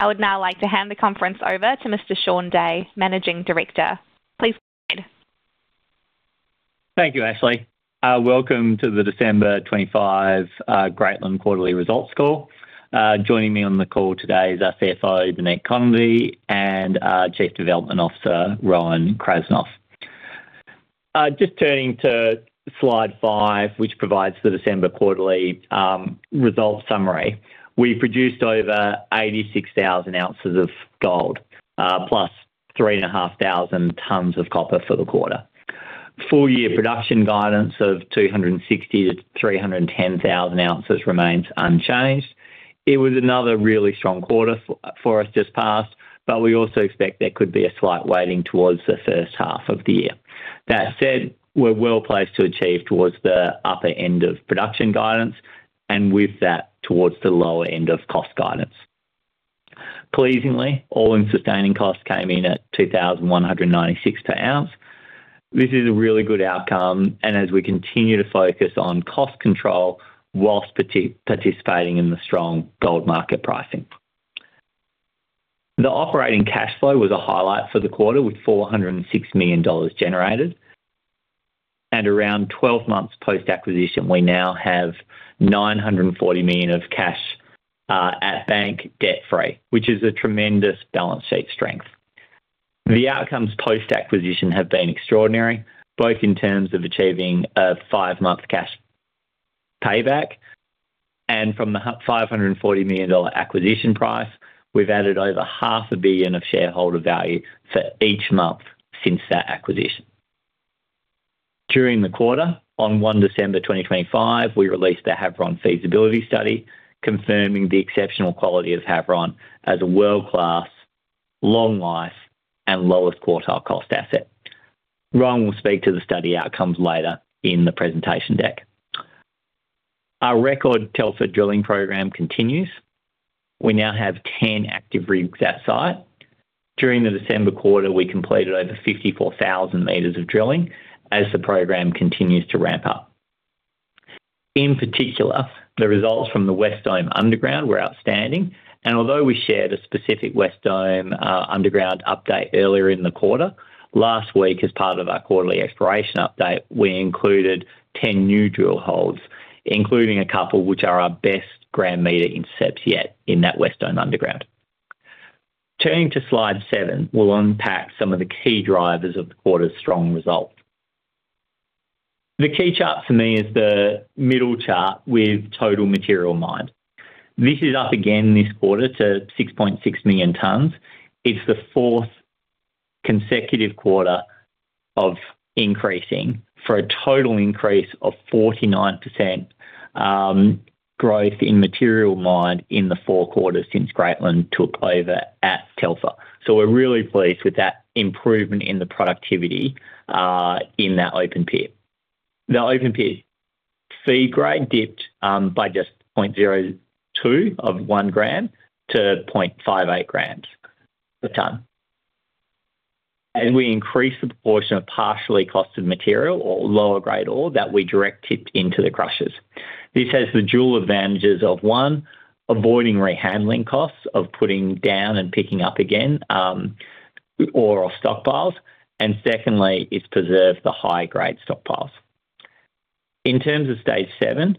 I would now like to hand the conference over to Mr. Shaun Day, Managing Director. Please proceed. Thank you, Ashley. Welcome to the December 2025 Greatland Quarterly Results Call. Joining me on the call today is our CFO, Monique Connolly, and our Chief Development Officer, Rowan Krasnoff. Just turning to slide 5, which provides the December Quarterly Results Summary. We produced over 86,000 ounces of gold, plus 3,500 tons of copper for the quarter. Full-year production guidance of 260,000-310,000 ounces remains unchanged. It was another really strong quarter for us just past, but we also expect there could be a slight weighting towards the first half of the year. That said, we're well placed to achieve towards the upper end of production guidance, and with that, towards the lower end of cost guidance. Pleasingly, all in sustaining costs came in at 2,196 per ounce. This is a really good outcome, and as we continue to focus on cost control while participating in the strong gold market pricing. The operating cash flow was a highlight for the quarter, with 406 million dollars generated. At around 12 months post-acquisition, we now have 940 million of cash at bank, debt-free, which is a tremendous balance sheet strength. The outcomes post-acquisition have been extraordinary, both in terms of achieving a five-month cash payback, and from the 540 million dollar acquisition price, we've added over half a billion of shareholder value for each month since that acquisition. During the quarter, on 1 December 2025, we released the Havieron Feasibility Study, confirming the exceptional quality of Havieron as a world-class, long-life, and lowest quartile cost asset. Rowan will speak to the study outcomes later in the presentation deck. Our record Telfer drilling program continues. We now have 10 active rigs at site. During the December quarter, we completed over 54,000 meters of drilling as the program continues to ramp up. In particular, the results from the West Dome underground were outstanding, and although we shared a specific West Dome underground update earlier in the quarter, last week, as part of our quarterly exploration update, we included 10 new drill holes, including a couple which are our best gram meter intercepts yet in that West Dome underground. Turning to slide seven, we'll unpack some of the key drivers of the quarter's strong results. The key chart for me is the middle chart with total material mined. This is up again this quarter to 6.6 million tons. It's the fourth consecutive quarter of increasing for a total increase of 49% growth in material mined in the four quarters since Greatland took over at Telfer. So we're really pleased with that improvement in the productivity in that open pit. The open pit feed grade dipped by just 0.02 of 1 gram to 0.58 grams per tonne. We increased the proportion of partially costed material or lower grade ore that we direct tipped into the crushers. This has the dual advantages of, one, avoiding rehandling costs of putting down and picking up again ore or stockpiles, and secondly, it's preserved the high-grade stockpiles. In terms of Stage 7,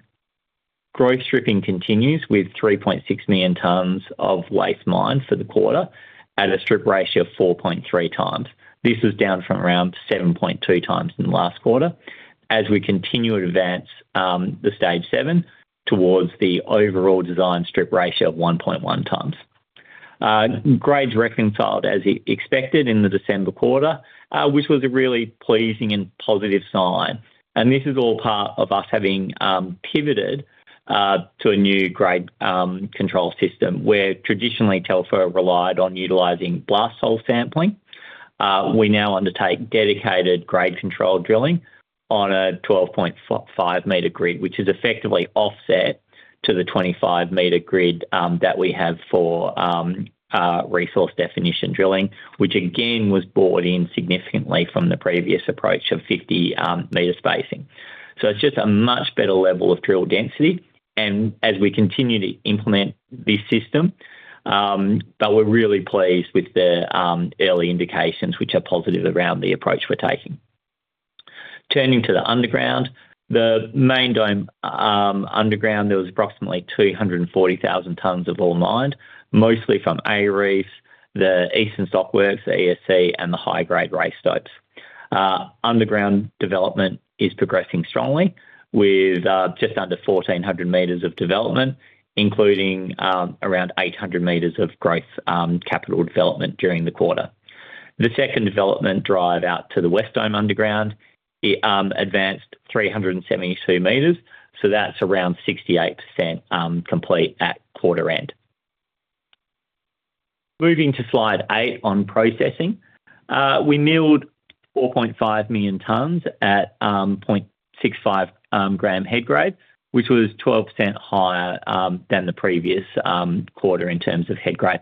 growth stripping continues with 3.6 million tons of waste mined for the quarter at a strip ratio of 4.3 times. This was down from around 7.2 times in the last quarter as we continue to advance the Stage 7 towards the overall design strip ratio of 1.1 times. Grades reconciled as expected in the December quarter, which was a really pleasing and positive sign. This is all part of us having pivoted to a new grade control system where traditionally Telfer relied on utilizing blast hole sampling. We now undertake dedicated grade control drilling on a 12.5 m grid, which is effectively offset to the 25 m grid that we have for resource definition drilling, which again was bored in significantly from the previous approach of 50 m spacing. So it's just a much better level of drill density. And as we continue to implement this system, but we're really pleased with the early indications, which are positive around the approach we're taking. Turning to the underground, the Main Dome underground, there was approximately 240,000 tons of ore mined, mostly from A Reefs, the Eastern Stockworks, the ESC, and the High Grade Reef stopes. Underground development is progressing strongly with just under 1,400 m of development, including around 800 m of growth capital development during the quarter. The second development drive out to the West Dome underground advanced 372 meters, so that's around 68% complete at quarter end. Moving to slide 8 on processing, we milled 4.5 million tons at 0.65 gram head grade, which was 12% higher than the previous quarter in terms of head grade.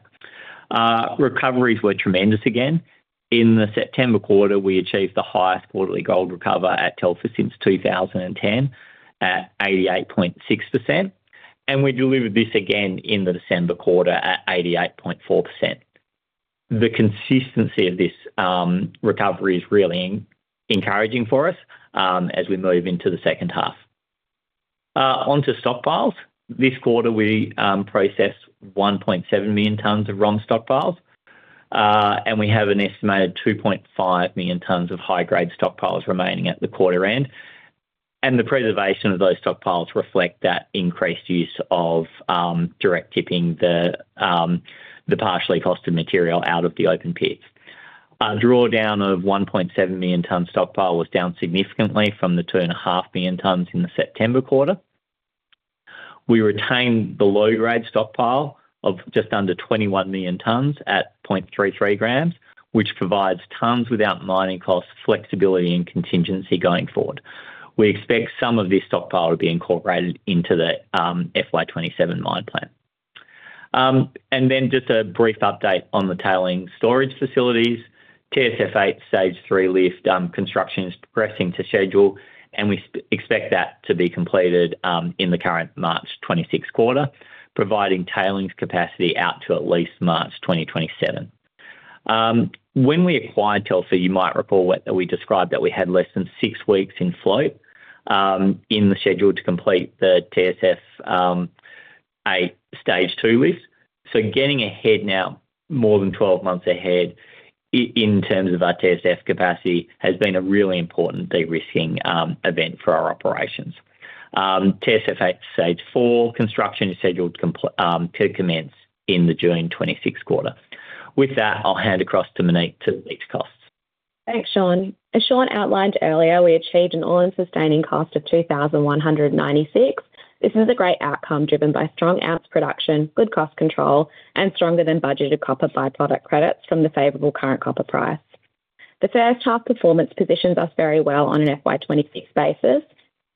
Recoveries were tremendous again. In the September quarter, we achieved the highest quarterly gold recovery at Telfer since 2010 at 88.6%, and we delivered this again in the December quarter at 88.4%. The consistency of this recovery is really encouraging for us as we move into the second half. Onto stockpiles. This quarter, we processed 1.7 million tons of ROM stockpiles, and we have an estimated 2.5 million tons of high-grade stockpiles remaining at the quarter end. The preservation of those stockpiles reflects that increased use of direct tipping the partially oxidized material out of the open pits. A drawdown of 1.7 million tons stockpile was down significantly from the 2.5 million tons in the September quarter. We retained the low-grade stockpile of just under 21 million tons at 0.33 grams, which provides tons without mining cost flexibility and contingency going forward. We expect some of this stockpile to be incorporated into the FY27 mine plan. Then just a brief update on the tailings storage facilities. TSF8 Stage 3 lift construction is progressing to schedule, and we expect that to be completed in the current March 2026 quarter, providing tailings capacity out to at least March 2027. When we acquired Telfer, you might recall that we described that we had less than six weeks in float in the schedule to complete the TSF8 Stage 2 lift. So getting ahead now, more than 12 months ahead in terms of our TSF capacity, has been a really important de-risking event for our operations. TSF8 Stage 4 construction is scheduled to commence in the June 2026 quarter. With that, I'll hand across to Monique to speak to costs. Thanks, Shaun. As Shaun outlined earlier, we achieved an All-In Sustaining Cost of 2,196. This is a great outcome driven by strong ounce production, good cost control, and stronger-than-budgeted copper byproduct credits from the favorable current copper price. The first half performance positions us very well on an FY26 basis.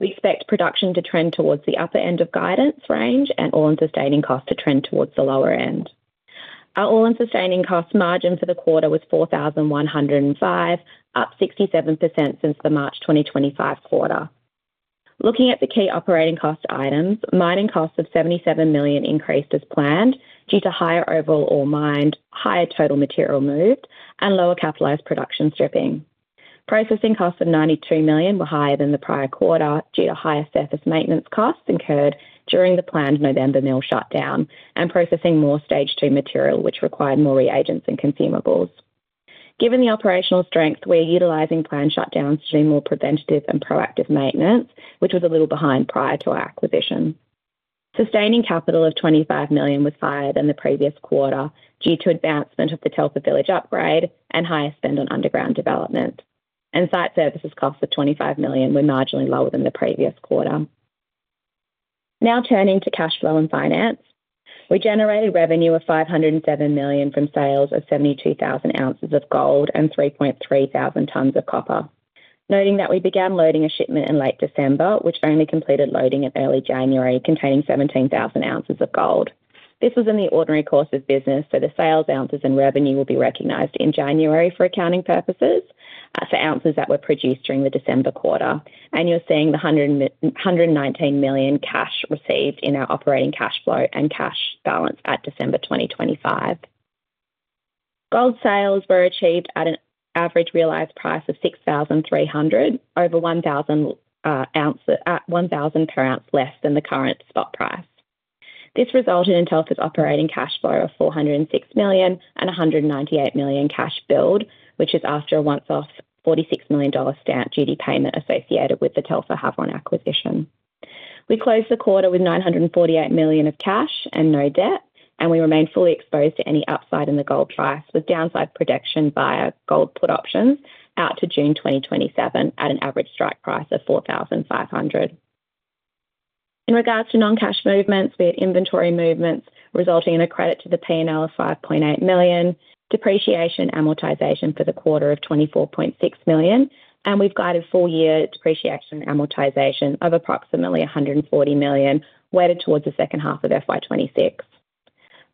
We expect production to trend towards the upper end of guidance range and All-In Sustaining Cost to trend towards the lower end. Our All-In Sustaining Cost margin for the quarter was 4,105, up 67% since the March 2025 quarter. Looking at the key operating cost items, mining costs of 77 million increased as planned due to higher overall ore mined, higher total material moved, and lower capitalized production stripping. Processing costs of 92 million were higher than the prior quarter due to higher surface maintenance costs incurred during the planned November mill shutdown and processing more Stage 2 material, which required more reagents and consumables. Given the operational strength, we are utilizing planned shutdowns to do more preventative and proactive maintenance, which was a little behind prior to our acquisition. Sustaining capital of AUD 25 million was higher than the previous quarter due to advancement of the Telfer Village upgrade and higher spend on underground development. Site services costs of 25 million were marginally lower than the previous quarter. Now turning to cash flow and finance, we generated revenue of 507 million from sales of 72,000 ounces of gold and 3,300 tons of copper. Noting that we began loading a shipment in late December, which only completed loading in early January, containing 17,000 ounces of gold. This was in the ordinary course of business, so the sales ounces and revenue will be recognized in January for accounting purposes for ounces that were produced during the December quarter. You're seeing the 119 million cash received in our operating cash flow and cash balance at December 2025. Gold sales were achieved at an average realized price of 6,300 per ounce, over 1,000 per ounce less than the current spot price. This resulted in Telfer's operating cash flow of 406 million and 198 million cash build, which is after a once-off 46 million dollar stamp duty payment associated with the Telfer-Havieron acquisition. We closed the quarter with 948 million of cash and no debt, and we remained fully exposed to any upside in the gold price with downside protection via gold put options out to June 2027 at an average strike price of 4,500. In regards to non-cash movements, we had inventory movements resulting in a credit to the P&L of 5.8 million, depreciation amortization for the quarter of 24.6 million, and we've guided four-year depreciation amortization of approximately 140 million weighted towards the second half of FY26.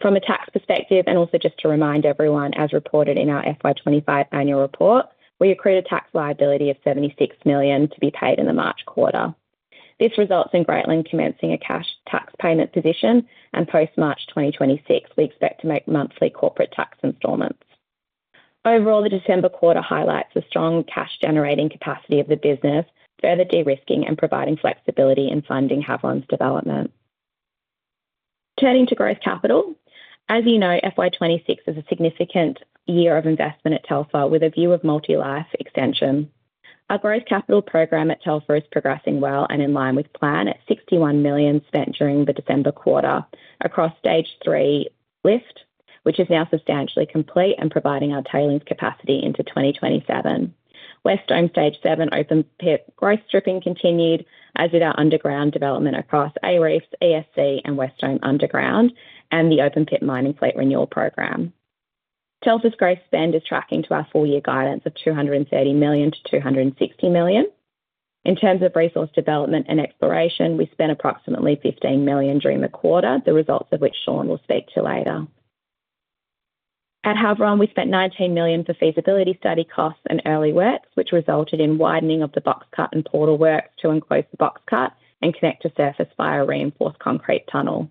From a tax perspective, and also just to remind everyone, as reported in our FY25 annual report, we accrued a tax liability of AUD 76 million to be paid in the March quarter. This results in Greatland commencing a tax payment position, and post-March 2026, we expect to make monthly corporate tax installments. Overall, the December quarter highlights the strong cash-generating capacity of the business, further de-risking and providing flexibility in funding Havieron's development. Turning to gross capital, as you know, FY26 is a significant year of investment at Telfer with a view of multi-life extension. Our gross capital program at Telfer is progressing well and in line with plan at 61 million spent during the December quarter across Stage 3 lift, which is now substantially complete and providing our tailings capacity into 2027. West Dome Stage 7 open pit gross stripping continued, as did our underground development across A-Reefs, ESC, and West Dome underground, and the open pit mining plate renewal program. Telfer's gross spend is tracking to our four-year guidance of 230 million-260 million. In terms of resource development and exploration, we spent approximately 15 million during the quarter, the results of which Shaun will speak to later. At Havieron, we spent 19 million for feasibility study costs and early works, which resulted in widening of the boxcut and portal works to enclose the boxcut and connect to surface via a reinforced concrete tunnel.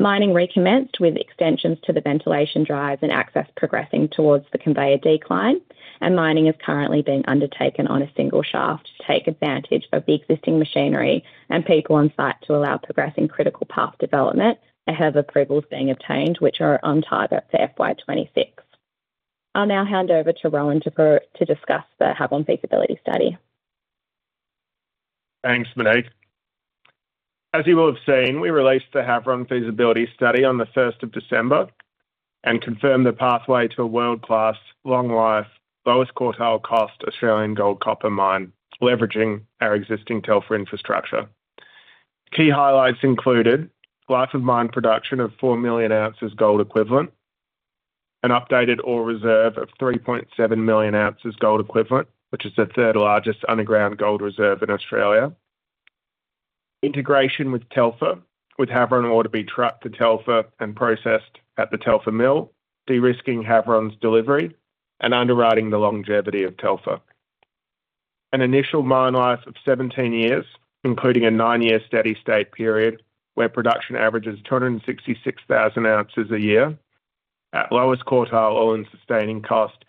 Mining recommenced with extensions to the ventilation drives and access progressing towards the conveyor decline, and mining is currently being undertaken on a single shaft to take advantage of the existing machinery and people on site to allow progressing critical path development ahead of approvals being obtained, which are on target for FY 2026. I'll now hand over to Rowan to discuss the Havieron feasibility study. Thanks, Monique. As you will have seen, we released the Havieron feasibility study on the 1st of December and confirmed the pathway to a world-class, long-life, lowest quartile cost Australian gold copper mine leveraging our existing Telfer infrastructure. Key highlights included life of mine production of 4 million ounces gold equivalent, an updated ore reserve of 3.7 million ounces gold equivalent, which is the third largest underground gold reserve in Australia, integration with Telfer with Havieron ore to be trucked to Telfer and processed at the Telfer mill, de-risking Havieron's delivery and underwriting the longevity of Telfer. An initial mine life of 17 years, including a nine-year steady state period where production averages 266,000 ounces a year at lowest quartile all-in sustaining cost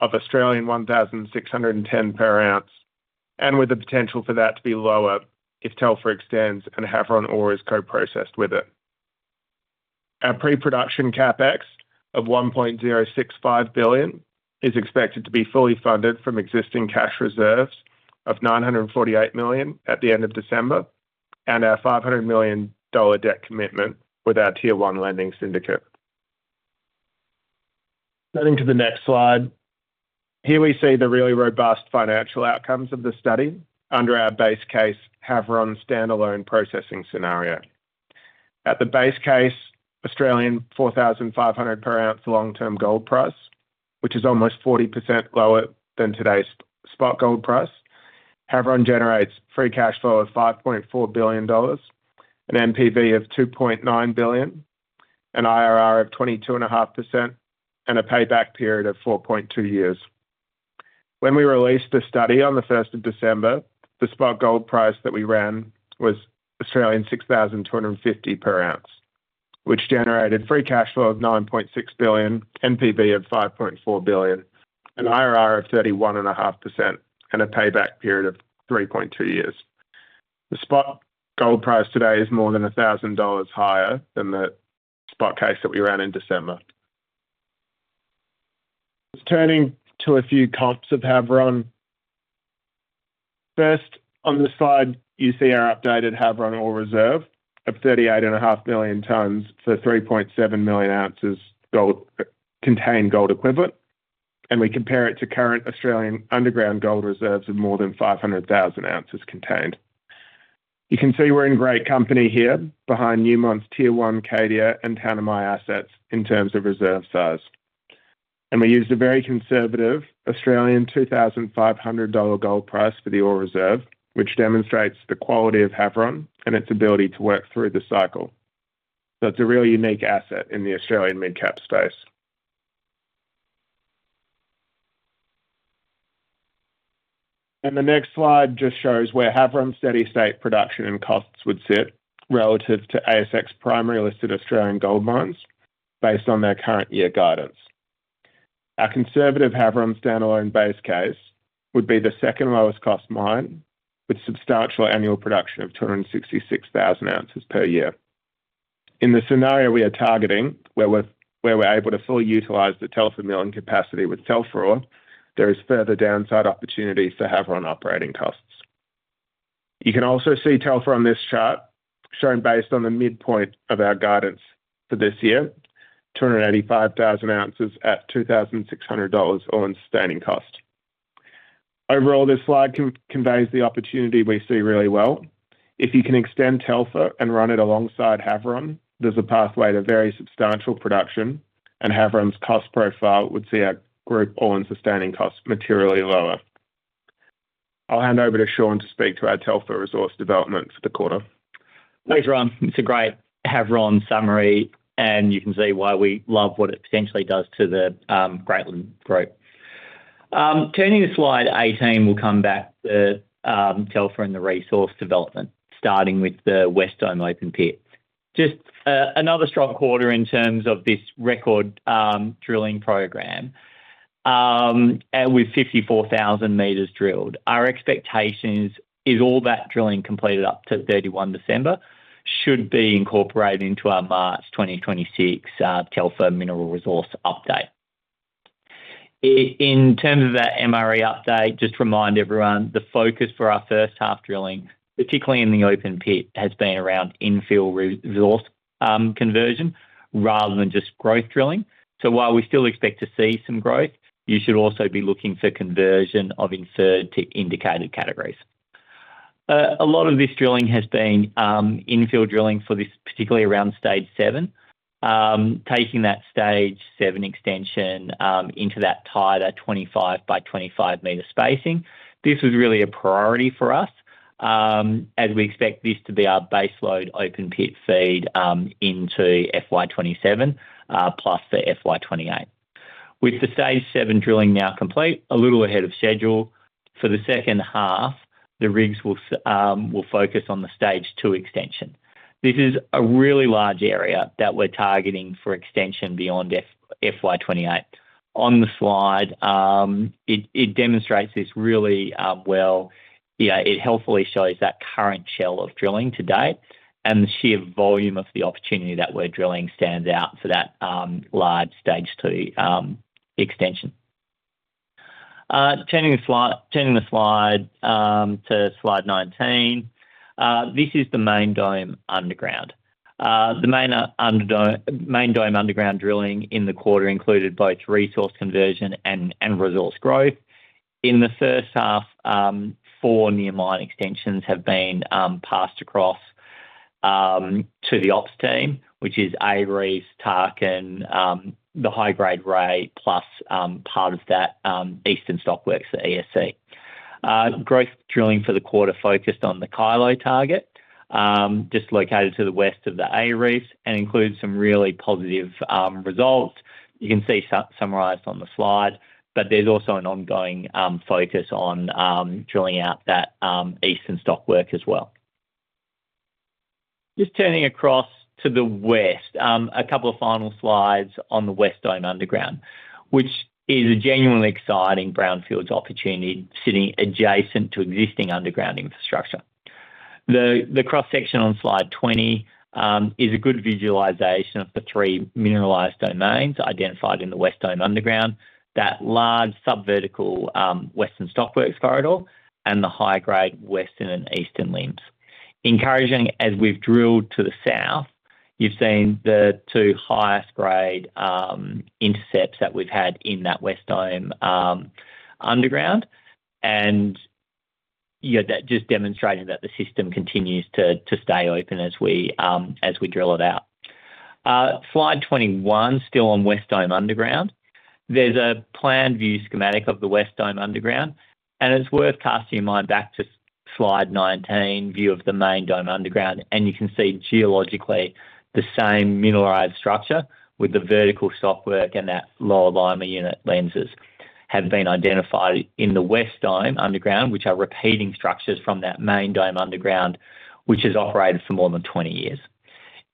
of 1,610 per ounce, and with the potential for that to be lower if Telfer extends and Havieron ore is co-processed with it. Our pre-production CapEx of 1.065 billion is expected to be fully funded from existing cash reserves of 948 million at the end of December and our 500 million dollar debt commitment with our tier one lending syndicate. Turning to the next slide, here we see the really robust financial outcomes of the study under our base case Havieron standalone processing scenario. At the base case, Australian 4,500 per ounce long-term gold price, which is almost 40% lower than today's spot gold price, Havieron generates free cash flow of 5.4 billion dollars, an NPV of 2.9 billion, an IRR of 22.5%, and a payback period of 4.2 years. When we released the study on the 1st of December, the spot gold price that we ran was Australian 6,250 per ounce, which generated free cash flow of 9.6 billion, NPV of 5.4 billion, an IRR of 31.5%, and a payback period of 3.2 years. The spot gold price today is more than $1,000 higher than the spot case that we ran in December. Let's turn to a few comps of Havieron. First, on this slide, you see our updated Havieron ore reserve of 38.5 million tons for 3.7 million ounces contained gold equivalent, and we compare it to current Australian underground gold reserves of more than 500,000 ounces contained. You can see we're in great company here behind Newmont's tier one Cadia and Tanami assets in terms of reserve size. We used a very conservative Australian 2,500 Australian dollars gold price for the ore reserve, which demonstrates the quality of Havieron and its ability to work through the cycle. It's a really unique asset in the Australian mid-cap space. The next slide just shows where Havieron steady state production and costs would sit relative to ASX primary listed Australian gold mines based on their current year guidance. Our conservative Havieron standalone base case would be the second lowest cost mine with substantial annual production of 266,000 ounces per year. In the scenario we are targeting, where we're able to fully utilize the Telfer milling capacity with Telfer ROM, there is further downside opportunity for Havieron operating costs. You can also see Telfer on this chart shown based on the midpoint of our guidance for this year, 285,000 ounces at $2,600 all-in sustaining cost. Overall, this slide conveys the opportunity we see really well. If you can extend Telfer and run it alongside Havieron, there's a pathway to very substantial production, and Havieron's cost profile would see our group all-in sustaining cost materially lower. I'll hand over to Shaun to speak to our Telfer resource development for the quarter. Thanks, Rowan. It's a great Havieron summary, and you can see why we love what it potentially does to the Greatland Group. Turning to slide 18, we'll come back to Telfer and the resource development, starting with the West Dome open pit. Just another strong quarter in terms of this record drilling program with 54,000 meters drilled. Our expectation is all that drilling completed up to 31 December should be incorporated into our March 2026 Telfer mineral resource update. In terms of that MRE update, just remind everyone, the focus for our first half drilling, particularly in the open pit, has been around infill resource conversion rather than just growth drilling. So while we still expect to see some growth, you should also be looking for conversion of inferred to indicated categories. A lot of this drilling has been infill drilling for this, particularly around Stage 7, taking that Stage 7 extension into that tighter 25 by 25 meter spacing. This was really a priority for us as we expect this to be our base load open pit feed into FY27 plus the FY28. With the Stage 7 drilling now complete, a little ahead of schedule for the second half, the rigs will focus on the Stage 2 extension. This is a really large area that we're targeting for extension beyond FY28. On the slide, it demonstrates this really well. It helpfully shows that current shell of drilling to date and the sheer volume of the opportunity that we're drilling stands out for that large Stage 2 extension. Turning the slide to slide 19, this is the Main Dome underground. The Main Dome underground drilling in the quarter included both resource conversion and resource growth. In the first half, four new mine extensions have been passed across to the ops team, which is A-Reefs, Tarkin, the High Grade Reef, plus part of that Eastern Stockworks, the ESC. Growth drilling for the quarter focused on the Kilo target, located to the west of the A-Reefs, and included some really positive results. You can see summarized on the slide, but there's also an ongoing focus on drilling out that Eastern Stockworks as well. Just turning across to the west, a couple of final slides on the West Dome underground, which is a genuinely exciting brownfields opportunity sitting adjacent to existing underground infrastructure. The cross-section on slide 20 is a good visualization of the three mineralized domains identified in the West Dome underground, that large subvertical Western Stockworks corridor, and the high-grade western and eastern limbs. Encouraging, as we've drilled to the south, you've seen the 2 highest-grade intercepts that we've had in that West Dome underground, and that just demonstrated that the system continues to stay open as we drill it out. Slide 21, still on West Dome underground, there's a plan view schematic of the West Dome underground, and it's worth casting your mind back to slide 19, view of the Main Dome underground, and you can see geologically the same mineralized structure with the vertical stockwork and that lower Lima unit lenses have been identified in the West Dome underground, which are repeating structures from that Main Dome underground, which has operated for more than 20 years.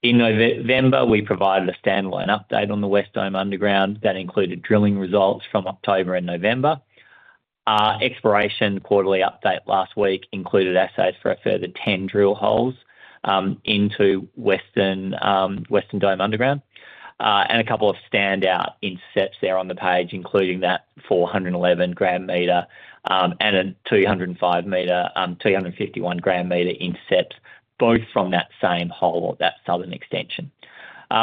In November, we provided a standalone update on the West Dome underground that included drilling results from October and November. Exploration quarterly update last week included assays for a further 10 drill holes into West Dome underground, and a couple of standout intercepts there on the page, including that 411 gram meter and a 205 meter, 251 gram meter intercept, both from that same hole or that southern extension.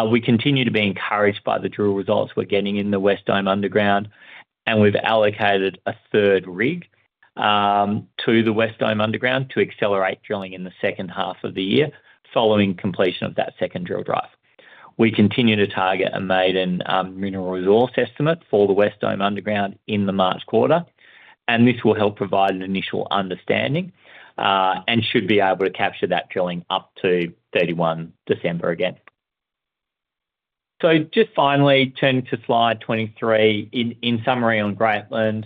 We continue to be encouraged by the drill results we're getting in the West Dome underground, and we've allocated a third rig to the West Dome underground to accelerate drilling in the second half of the year following completion of that second drill drive. We continue to target a maiden mineral resource estimate for the West Dome underground in the March quarter, and this will help provide an initial understanding and should be able to capture that drilling up to 31 December again. So just finally, turning to slide 23, in summary on Greatland,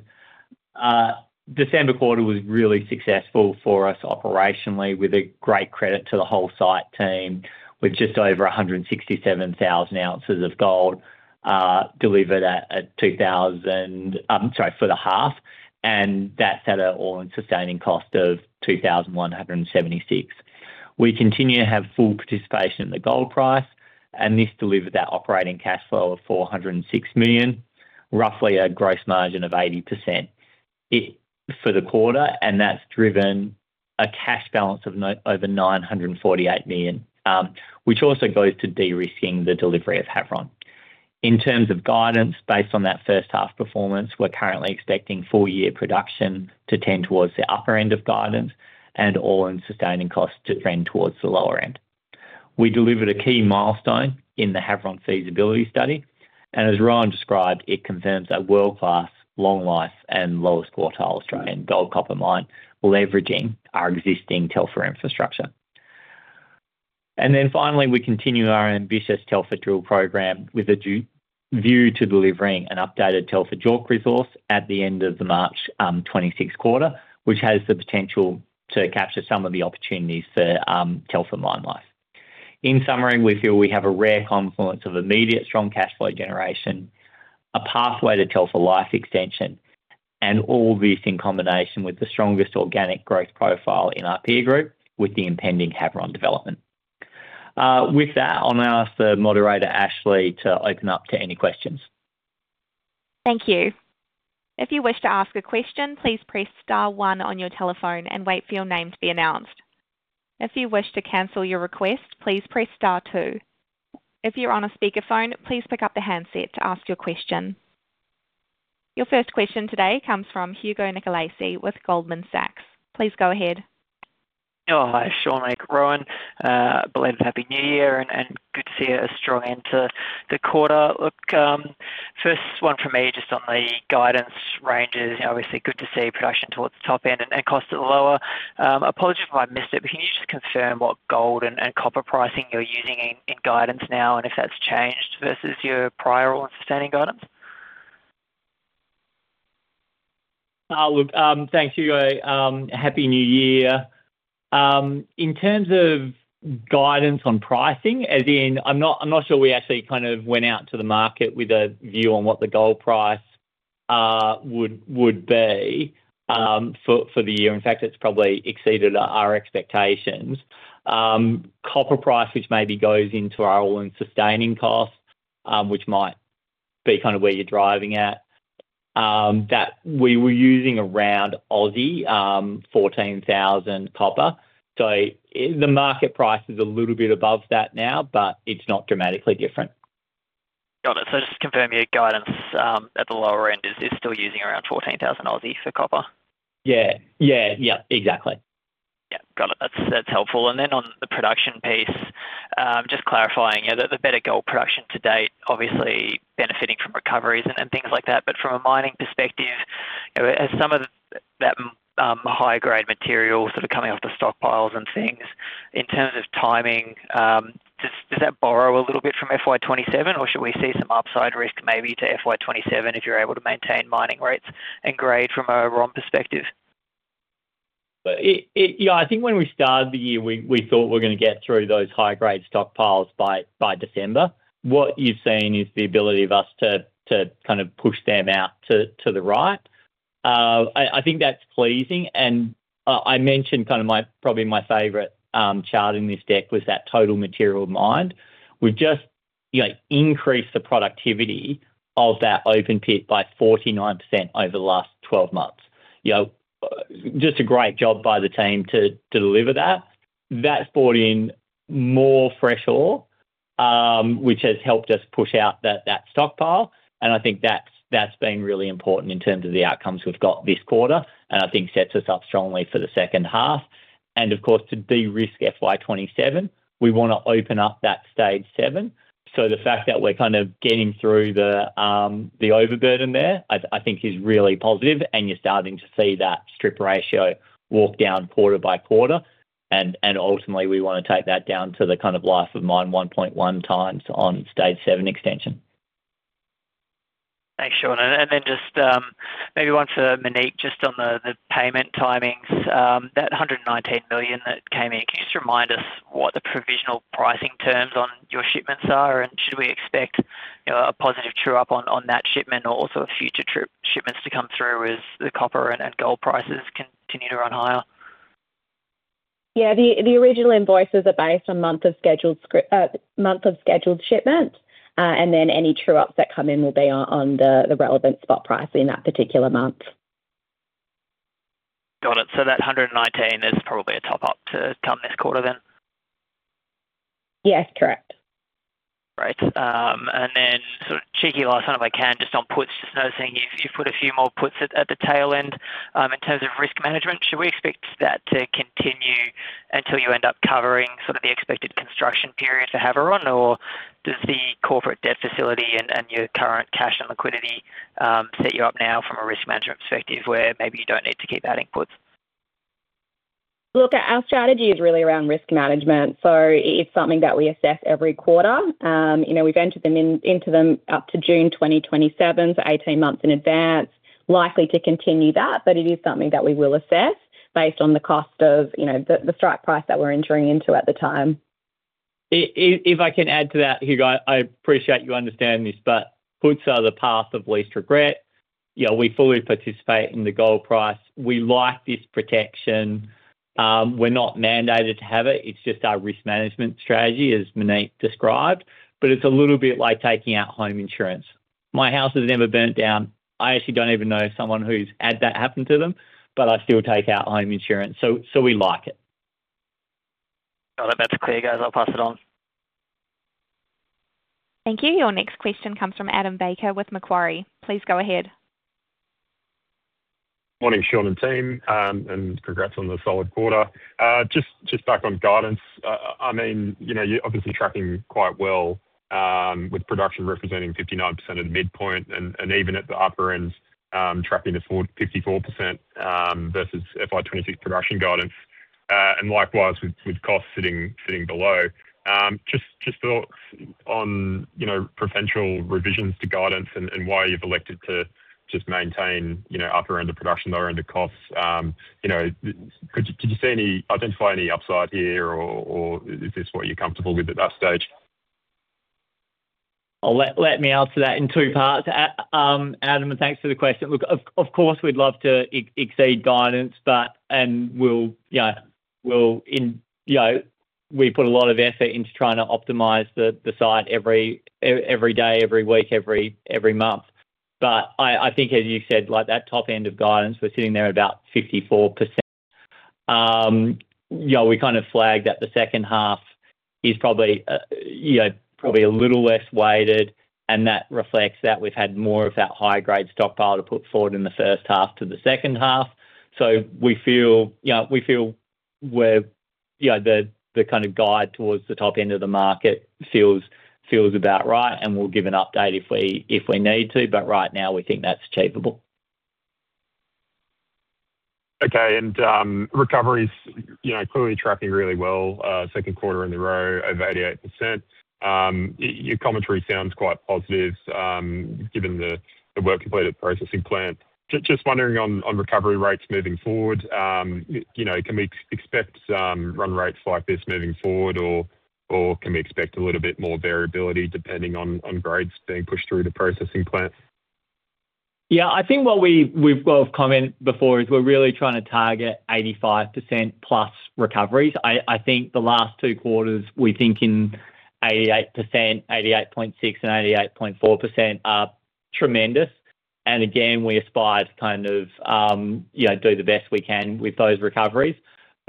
December quarter was really successful for us operationally with a great credit to the whole site team with just over 167,000 ounces of gold delivered at 2,000, sorry, for the half, and that set an all-in sustaining cost of 2,176. We continue to have full participation in the gold price, and this delivered that operating cash flow of 406 million, roughly a gross margin of 80% for the quarter, and that's driven a cash balance of over 948 million, which also goes to de-risking the delivery of Havieron. In terms of guidance, based on that first half performance, we're currently expecting full year production to tend towards the upper end of guidance and all-in sustaining costs to trend towards the lower end. We delivered a key milestone in the Havieron feasibility study, and as Rowan described, it confirms that world-class, long-life, and lowest quartile Australian gold copper mine leveraging our existing Telfer infrastructure. Then finally, we continue our ambitious Telfer drill program with a view to delivering an updated Telfer JORC resource at the end of the March 2026 quarter, which has the potential to capture some of the opportunities for Telfer mine life. In summary, we feel we have a rare confluence of immediate strong cash flow generation, a pathway to Telfer life extension, and all this in combination with the strongest organic growth profile in our peer group with the impending Havieron development. With that, I'll now ask the moderator, Ashley, to open up to any questions. Thank you. If you wish to ask a question, please press star one on your telephone and wait for your name to be announced. If you wish to cancel your request, please press star two. If you're on a speakerphone, please pick up the handset to ask your question. Your first question today comes from Hugo Nicolaci with Goldman Sachs. Please go ahead. Hi, Shaun and Rowan. Belated Happy New Year and good to see you strong into the quarter. Look, first one for me just on the guidance ranges, obviously good to see production towards the top end and costs a little lower. Apologies if I missed it, but can you just confirm what gold and copper pricing you're using in guidance now and if that's changed versus your prior all-in sustaining guidance? Look, thanks, Hugo. Happy New Year. In terms of guidance on pricing, as in, I'm not sure we actually kind of went out to the market with a view on what the gold price would be for the year. In fact, it's probably exceeded our expectations. Copper price, which maybe goes into our All-In Sustaining Cost, which might be kind of where you're driving at, that we were using around 14,000 copper. So the market price is a little bit above that now, but it's not dramatically different. Got it. So just to confirm your guidance at the lower end, is this still using around 14,000 for copper? Yeah. Yeah. Yeah. Exactly. Yeah. Got it. That's helpful. And then on the production piece, just clarifying, the better gold production to date, obviously benefiting from recoveries and things like that. But from a mining perspective, as some of that high-grade material sort of coming off the stockpiles and things, in terms of timing, does that borrow a little bit from FY27, or should we see some upside risk maybe to FY27 if you're able to maintain mining rates and grade from a ROM perspective? Yeah. I think when we started the year, we thought we were going to get through those high-grade stockpiles by December. What you've seen is the ability of us to kind of push them out to the right. I think that's pleasing. And I mentioned kind of probably my favorite chart in this deck was that total material mined. We've just increased the productivity of that open pit by 49% over the last 12 months. Just a great job by the team to deliver that. That's brought in more fresh ore, which has helped us push out that stockpile. And I think that's been really important in terms of the outcomes we've got this quarter, and I think sets us up strongly for the second half. And of course, to de-risk FY27, we want to open up that Stage 7. The fact that we're kind of getting through the overburden there, I think, is really positive. You're starting to see that strip ratio walk down quarter by quarter. Ultimately, we want to take that down to the kind of life of mine 1.1 times on Stage 7 extension. Thanks, Shaun. Then just maybe one for Monique, just on the payment timings, that 119 million that came in, can you just remind us what the provisional pricing terms on your shipments are? And should we expect a positive true-up on that shipment or also future shipments to come through as the copper and gold prices continue to run higher? Yeah. The original invoices are based on month of scheduled shipment, and then any true-ups that come in will be on the relevant spot price in that particular month. Got it. So that 119 is probably a top-up to come this quarter then? Yes. Correct. Great. And then sort of cheeky last one if I can, just on puts, just noticing you've put a few more puts at the tail end. In terms of risk management, should we expect that to continue until you end up covering sort of the expected construction period for Havieron, or does the corporate debt facility and your current cash and liquidity set you up now from a risk management perspective where maybe you don't need to keep adding puts? Look, our strategy is really around risk management. So it's something that we assess every quarter. We've entered into them up to June 2027, so 18 months in advance, likely to continue that, but it is something that we will assess based on the cost of the strike price that we're entering into at the time. If I can add to that, Hugo, I appreciate you understanding this, but puts are the path of least regret. We fully participate in the gold price. We like this protection. We're not mandated to have it. It's just our risk management strategy, as Monique described, but it's a little bit like taking out home insurance. My house has never burned down. I actually don't even know someone who's had that happen to them, but I still take out home insurance. So we like it. Got it. That's clear, guys. I'll pass it on. Thank you. Your next question comes from Adam Baker with Macquarie. Please go ahead. Morning, Shaun and team, and congrats on the solid quarter. Just back on guidance, I mean, you're obviously tracking quite well with production representing 59% of the midpoint, and even at the upper ends, tracking at 54% versus FY26 production guidance, and likewise with costs sitting below. Just thoughts on potential revisions to guidance and why you've elected to just maintain upper end of production, lower end of costs? Could you identify any upside here, or is this what you're comfortable with at that stage? Let me answer that in two parts. Adam, thanks for the question. Look, of course, we'd love to exceed guidance, and we'll put a lot of effort into trying to optimize the site every day, every week, every month. But I think, as you said, that top end of guidance, we're sitting there at about 54%. We kind of flagged that the second half is probably a little less weighted, and that reflects that we've had more of that high-grade stockpile to put forward in the first half to the second half. So we feel the kind of guide towards the top end of the market feels about right, and we'll give an update if we need to, but right now, we think that's achievable. Okay. Recovery's clearly tracking really well, second quarter in a row, over 88%. Your commentary sounds quite positive given the work completed at the processing plant. Just wondering on recovery rates moving forward, can we expect run rates like this moving forward, or can we expect a little bit more variability depending on grades being pushed through the processing plant? Yeah. I think what we've both commented before is we're really trying to target 85%+ recoveries. I think the last two quarters, we think 88%, 88.6%, and 88.4% are tremendous. And again, we aspire to kind of do the best we can with those recoveries.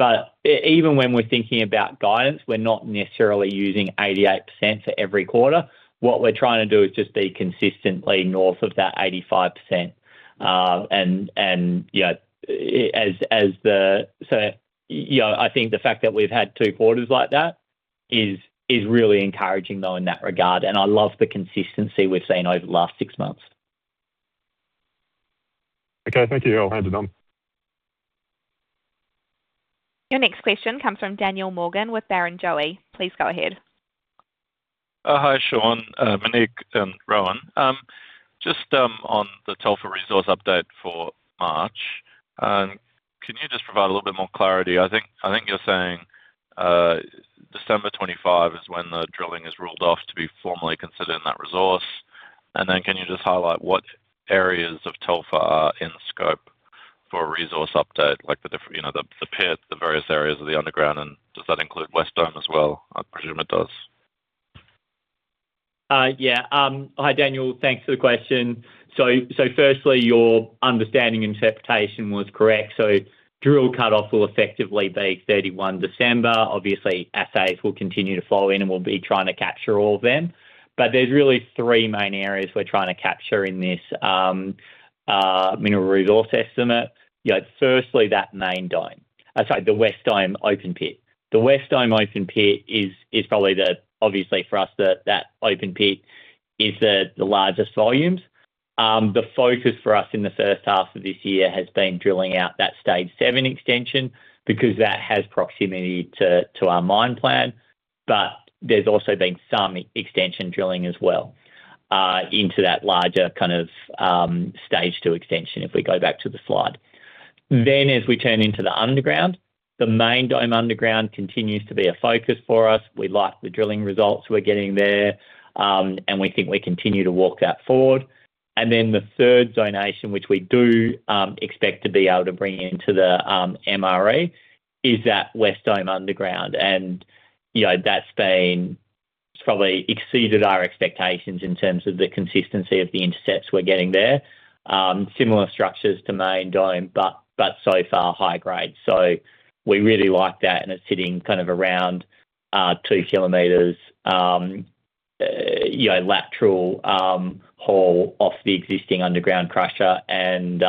But even when we're thinking about guidance, we're not necessarily using 88% for every quarter. What we're trying to do is just be consistently north of that 85%. And so I think the fact that we've had two quarters like that is really encouraging though in that regard, and I love the consistency we've seen over the last six months. Okay. Thank you. I'll hand it on. Your next question comes from Daniel Morgan with Barrenjoey. Please go ahead. Hi, Shaun. Monique and Rowan. Just on the Telfer resource update for March, can you just provide a little bit more clarity? I think you're saying December 25 is when the drilling is ruled off to be formally considered in that resource. And then can you just highlight what areas of Telfer are in scope for resource update, like the pit, the various areas of the underground, and does that include West Dome as well? I presume it does. Yeah. Hi, Daniel. Thanks for the question. So firstly, your understanding and interpretation was correct. So drill cutoff will effectively be 31 December. Obviously, assays will continue to flow in, and we'll be trying to capture all of them. But there's really three main areas we're trying to capture in this mineral resource estimate. Firstly, that Main Dome, sorry, the West Dome open pit. The West Dome open pit is probably the, obviously, for us, that open pit is the largest volumes. The focus for us in the first half of this year has been drilling out that Stage 7 extension because that has proximity to our mine plan. But there's also been some extension drilling as well into that larger kind of Stage 2 extension if we go back to the slide. Then, as we turn into the underground, the Main Dome underground continues to be a focus for us. We like the drilling results we're getting there, and we think we continue to walk that forward. And then the third domain, which we do expect to be able to bring into the MRE, is that West Dome underground. And that's probably exceeded our expectations in terms of the consistency of the intercepts we're getting there. Similar structures to Main Dome, but so far high grade. So we really like that, and it's sitting kind of around 2 kilometers lateral hole off the existing underground crusher and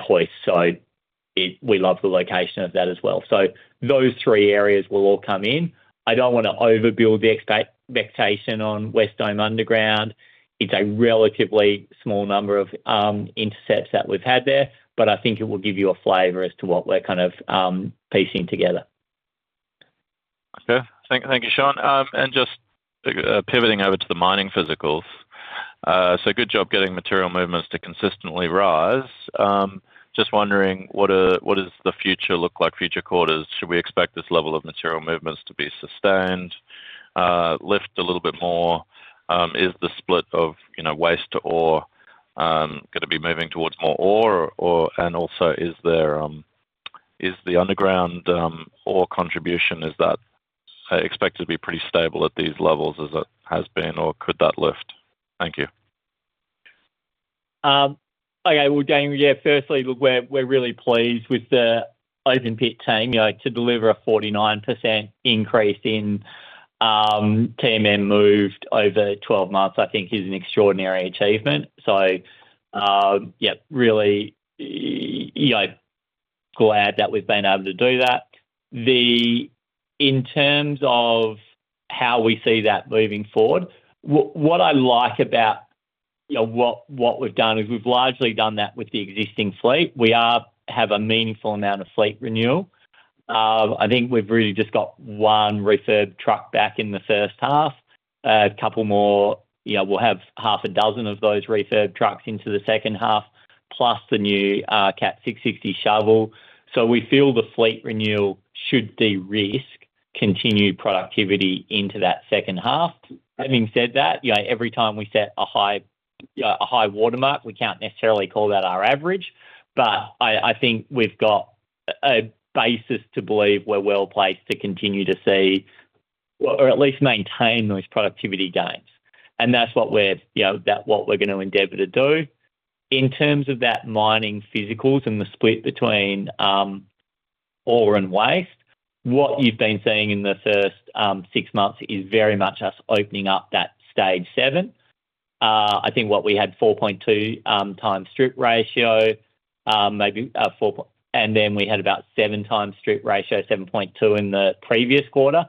hoist. So we love the location of that as well. So those three areas will all come in. I don't want to overbuild the expectation on West Dome underground. It's a relatively small number of intercepts that we've had there, but I think it will give you a flavor as to what we're kind of piecing together. Okay. Thank you, Shaun. And just pivoting over to the mining physicals. So good job getting material movements to consistently rise. Just wondering, what does the future look like future quarters? Should we expect this level of material movements to be sustained, lift a little bit more? Is the split of waste to ore going to be moving towards more ore? And also, is the underground ore contribution, is that expected to be pretty stable at these levels as it has been, or could that lift? Thank you. Okay. Well, Daniel, yeah, firstly, look, we're really pleased with the open pit team. To deliver a 49% increase in TMM moved over 12 months, I think, is an extraordinary achievement. So yeah, really glad that we've been able to do that. In terms of how we see that moving forward, what I like about what we've done is we've largely done that with the existing fleet. We have a meaningful amount of fleet renewal. I think we've really just got one refurb truck back in the first half. A couple more, we'll have half a dozen of those refurb trucks into the second half, plus the new Cat 6060 shovel. So we feel the fleet renewal should de-risk continued productivity into that second half. Having said that, every time we set a high watermark, we can't necessarily call that our average, but I think we've got a basis to believe we're well placed to continue to see or at least maintain those productivity gains. And that's what we're going to endeavor to do. In terms of that mining physicals and the split between ore and waste, what you've been seeing in the first six months is very much us opening up that Stage 7. I think what we had 4.2x strip ratio, maybe 4, and then we had about 7x strip ratio, 7.2 in the previous quarter.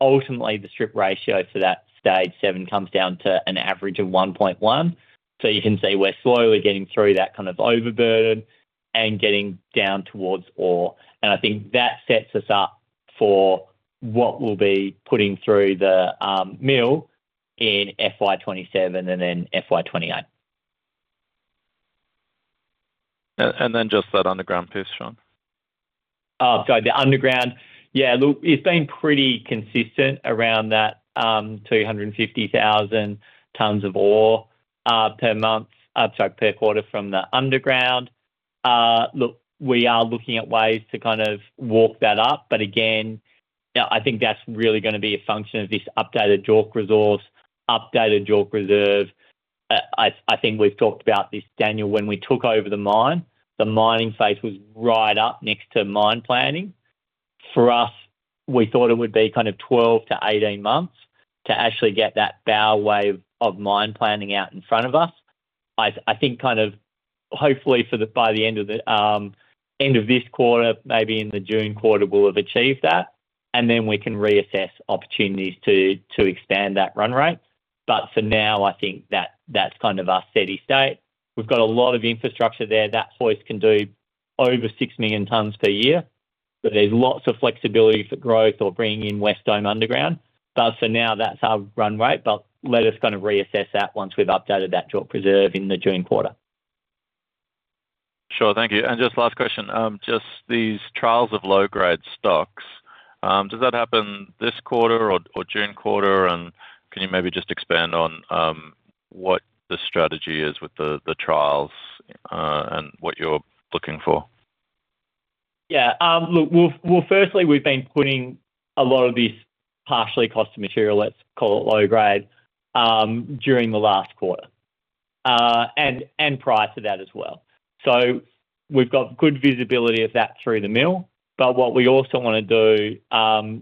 Ultimately, the strip ratio for that Stage 7 comes down to an average of 1.1. So you can see we're slowly getting through that kind of overburden and getting down towards ore. I think that sets us up for what we'll be putting through the mill in FY27 and then FY28. And then just that underground piece, Shaun. Oh, sorry, the underground. Yeah. Look, it's been pretty consistent around that 250,000 tons of ore per month - sorry, per quarter from the underground. Look, we are looking at ways to kind of walk that up. But again, I think that's really going to be a function of this updated JORC resource, updated JORC reserve. I think we've talked about this, Daniel, when we took over the mine, the mining phase was right up next to mine planning. For us, we thought it would be kind of 12-18 months to actually get that bow wave of mine planning out in front of us. I think kind of hopefully by the end of this quarter, maybe in the June quarter, we'll have achieved that, and then we can reassess opportunities to expand that run rate. But for now, I think that's kind of our steady state. We've got a lot of infrastructure there. That hoist can do over 6 million tons per year. So there's lots of flexibility for growth or bringing in West Dome underground. But for now, that's our run rate. But let us kind of reassess that once we've updated that JORC reserve in the June quarter. Sure. Thank you. Just last question, just these trials of low-grade stocks, does that happen this quarter or June quarter? Can you maybe just expand on what the strategy is with the trials and what you're looking for? Yeah. Look, well, firstly, we've been putting a lot of this partially costed material, let's call it low-grade, during the last quarter and prior to that as well. So we've got good visibility of that through the mill. But what we also want to do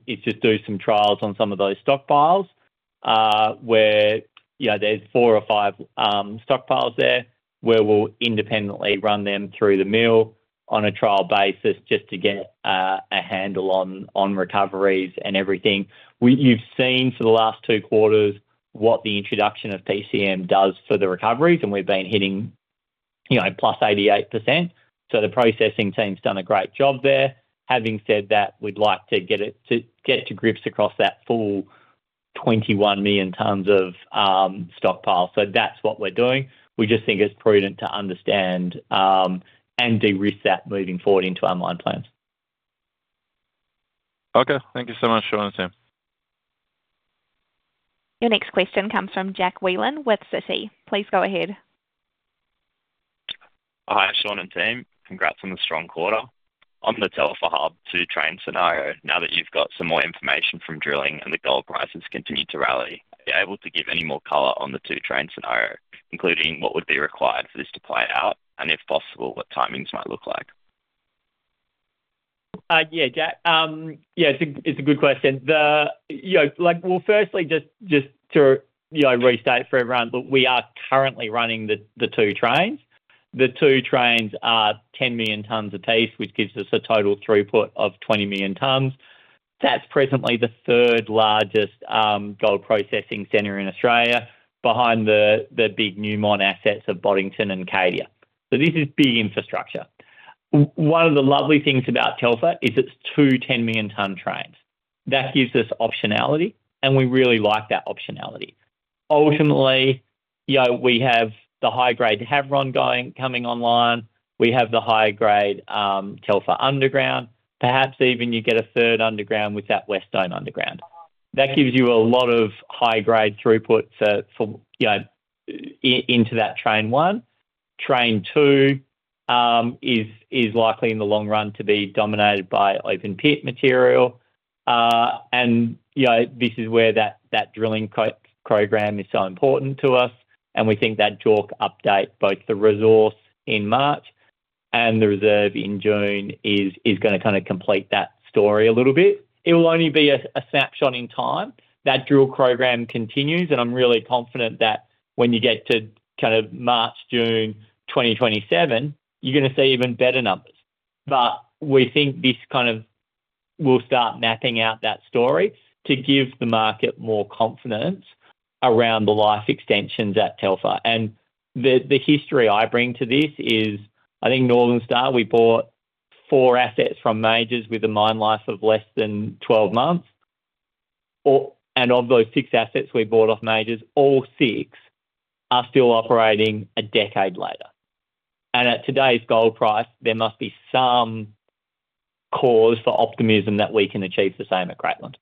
is just do some trials on some of those stockpiles where there's 4 or 5 stockpiles there where we'll independently run them through the mill on a trial basis just to get a handle on recoveries and everything. You've seen for the last 2 quarters what the introduction of PCM does for the recoveries, and we've been hitting +88%. So the processing team's done a great job there. Having said that, we'd like to get to grips across that full 21 million tons of stockpile. So that's what we're doing. We just think it's prudent to understand and de-risk that moving forward into our mine plans. Okay. Thank you so much, Shaun and team. Your next question comes from Jack Whelan with Citi. Please go ahead. Hi, Shaun and team. Congrats on the strong quarter. On the Telfer Hub two-train scenario, now that you've got some more information from drilling and the gold prices continue to rally, are you able to give any more color on the two-train scenario, including what would be required for this to play out and, if possible, what timings might look like? Yeah, Jack. Yeah, it's a good question. Well, firstly, just to restate for everyone, look, we are currently running the two trains. The two trains are 10 million tons apiece, which gives us a total throughput of 20 million tons. That's presently the third largest gold processing center in Australia, behind the big new mine assets of Boddington and Cadia. So this is big infrastructure. One of the lovely things about Telfer is it's two 10 million-ton trains. That gives us optionality, and we really like that optionality. Ultimately, we have the high-grade Havieron coming online. We have the high-grade Telfer underground. Perhaps even you get a third underground with that West Dome underground. That gives you a lot of high-grade throughput into that train one. Train two is likely in the long run to be dominated by open pit material. This is where that drilling program is so important to us. We think that JORC update, both the resource in March and the reserve in June, is going to kind of complete that story a little bit. It will only be a snapshot in time. That drill program continues, and I'm really confident that when you get to kind of March, June 2027, you're going to see even better numbers. But we think this kind of will start mapping out that story to give the market more confidence around the life extensions at Telfer. The history I bring to this is, I think, Northern Star, we bought four assets from Majors with a mine life of less than 12 months. Of those six assets we bought off Majors, all six are still operating a decade later. At today's gold price, there must be some cause for optimism that we can achieve the same at Greatland.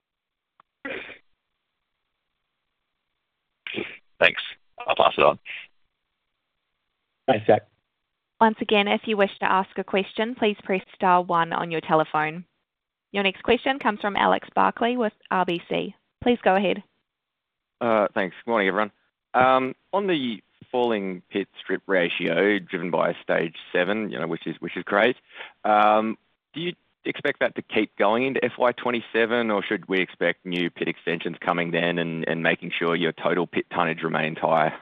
Thanks. I'll pass it on. Thanks, Jack. Once again, if you wish to ask a question, please press star one on your telephone. Your next question comes from Alex Barkley with RBC. Please go ahead. Thanks. Good morning, everyone. On the falling pit strip ratio driven by Stage 7, which is great, do you expect that to keep going into FY27, or should we expect new pit extensions coming then and making sure your total pit tonnage remains high?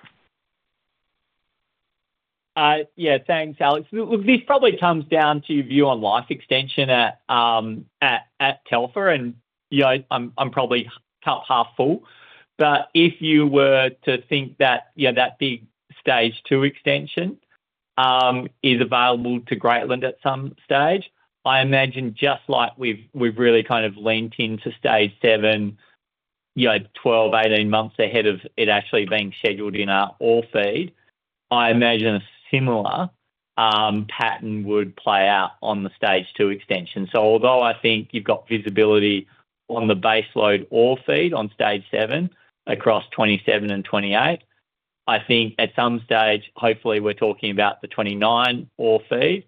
Yeah, thanks, Alex. Look, this probably comes down to view on life extension at Telfer, and I'm probably cup half full. But if you were to think that that big Stage 2 extension is available to Greatland at some stage, I imagine just like we've really kind of leaned into Stage 7 12, 18 months ahead of it actually being scheduled in our ore feed, I imagine a similar pattern would play out on the Stage 2 extension. So although I think you've got visibility on the base load ore feed on Stage 7 across 2027 and 2028, I think at some stage, hopefully, we're talking about the 2029 ore feed,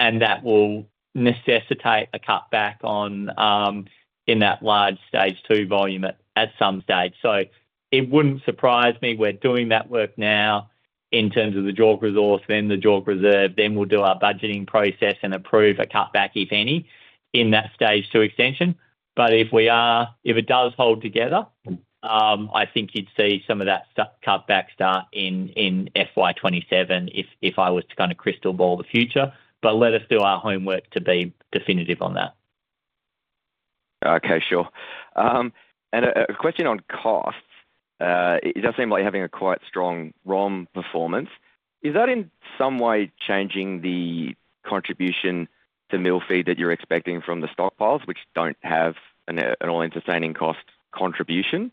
and that will necessitate a cutback in that large Stage 2 volume at some stage. So it wouldn't surprise me we're doing that work now in terms of the JORC resource, then the JORC reserve, then we'll do our budgeting process and approve a cutback, if any, in that Stage 2 extension. But if it does hold together, I think you'd see some of that cutback start in FY27 if I was to kind of crystal ball the future. But let us do our homework to be definitive on that. Okay, sure. A question on costs. It does seem like you're having a quite strong ROM performance. Is that in some way changing the contribution to mill feed that you're expecting from the stockpiles, which don't have an all-in sustaining cost contribution?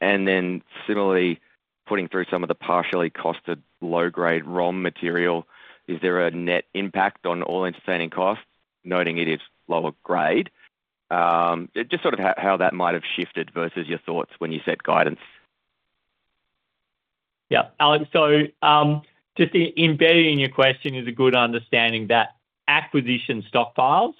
And then similarly, putting through some of the partially costed low-grade ROM material, is there a net impact on all-in sustaining costs, noting it is lower grade? Just sort of how that might have shifted versus your thoughts when you set guidance? Yeah. Alex, so just embedding in your question is a good understanding that acquisition stockpiles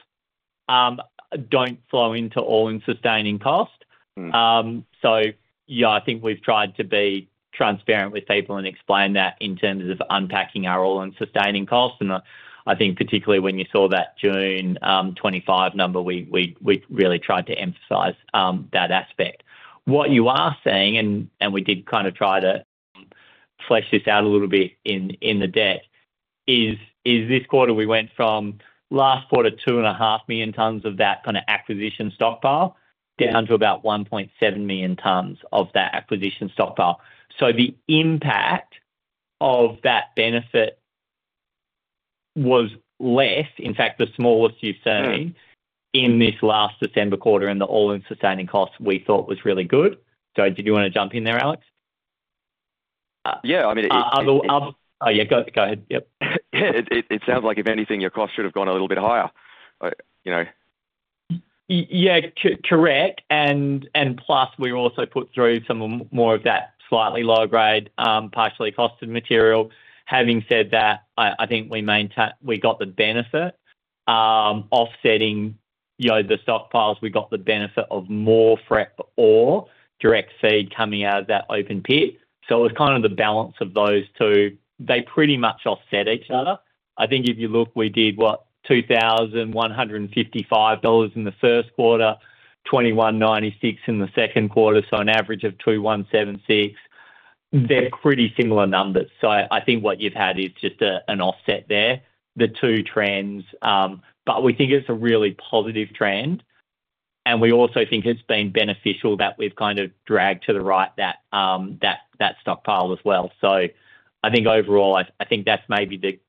don't flow into all-in sustaining cost. So yeah, I think we've tried to be transparent with people and explain that in terms of unpacking our all-in sustaining costs. And I think particularly when you saw that June 25 number, we really tried to emphasize that aspect. What you are seeing, and we did kind of try to flesh this out a little bit in the deck, is this quarter we went from last quarter 2.5 million tons of that kind of acquisition stockpile down to about 1.7 million tons of that acquisition stockpile. So the impact of that benefit was less. In fact, the smallest you've seen in this last December quarter in the all-in sustaining costs we thought was really good. So did you want to jump in there, Alex? Yeah. I mean. Oh, yeah. Go ahead. Yep. Yeah. It sounds like if anything, your cost should have gone a little bit higher. Yeah, correct. And plus, we also put through some more of that slightly lower grade partially costed material. Having said that, I think we got the benefit offsetting the stockpiles. We got the benefit of more ore direct feed coming out of that open pit. So it was kind of the balance of those two. They pretty much offset each other. I think if you look, we did, what, $2,155 in the first quarter, $2,196 in the second quarter, so an average of $2,176. They're pretty similar numbers. So I think what you've had is just an offset there, the two trends. But we think it's a really positive trend. And we also think it's been beneficial that we've kind of dragged to the right that stockpile as well. So I think overall, I think that's maybe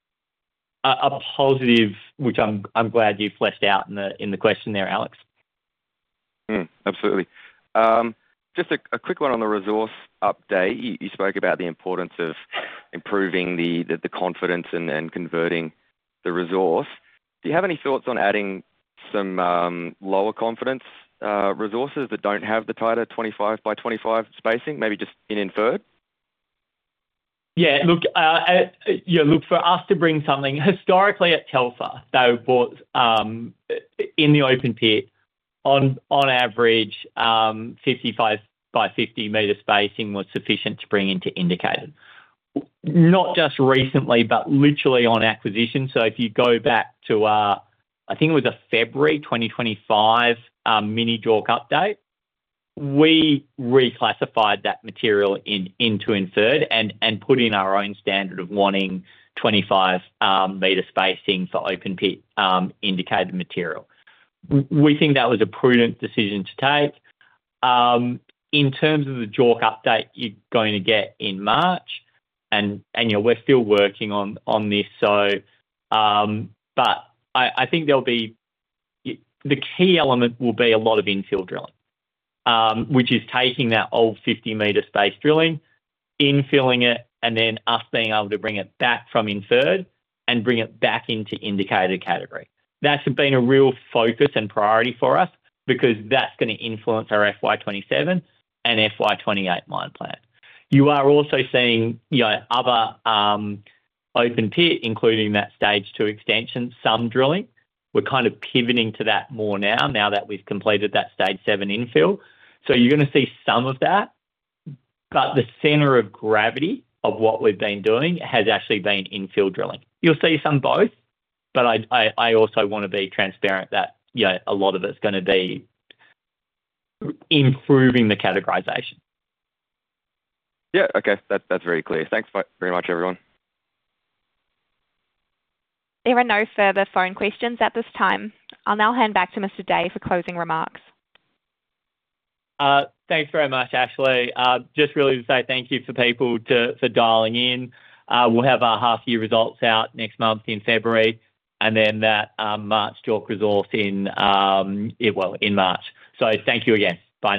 a positive, which I'm glad you fleshed out in the question there, Alex. Absolutely. Just a quick one on the resource update. You spoke about the importance of improving the confidence and converting the resource. Do you have any thoughts on adding some lower confidence resources that don't have the tighter 25 by 25 spacing, maybe just in inferred? Yeah. Look, for us to bring something, historically at Telfer, they bought in the open pit, on average, 55 by 50-meter spacing was sufficient to bring into Indicated. Not just recently, but literally on acquisition. So if you go back to, I think it was a February 2025 mineral JORC update, we reclassified that material into Inferred and put in our own standard of wanting 25-meter spacing for open pit Indicated material. We think that was a prudent decision to take. In terms of the JORC update you're going to get in March, and we're still working on this. But I think there'll be the key element will be a lot of infill drilling, which is taking that old 50-meter spaced drilling, infilling it, and then us being able to bring it back from Inferred and bring it back into Indicated category. That's been a real focus and priority for us because that's going to influence our FY27 and FY28 mine plan. You are also seeing other open pit, including that Stage 2 extension, some drilling. We're kind of pivoting to that more now, now that we've completed that Stage 7 infill. So you're going to see some of that. But the center of gravity of what we've been doing has actually been infill drilling. You'll see some both, but I also want to be transparent that a lot of it's going to be improving the categorization. Yeah. Okay. That's very clear. Thanks very much, everyone. There are no further phone questions at this time. I'll now hand back to Mr. Day for closing remarks. Thanks very much, Ashley. Just really to say thank you to people for dialing in. We'll have our half-year results out next month in February, and then that March JORC resource as well, in March. So thank you again. Bye.